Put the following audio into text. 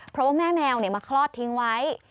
เพราะว่าแม่แมวมาคลอดทิ้งไว้